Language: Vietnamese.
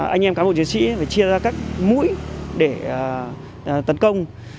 anh em cán bộ chiến sĩ phải chia ra các mũi để tấn công